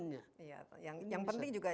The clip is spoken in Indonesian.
yang penting juga